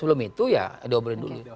sebelum itu ya diobrolin dulu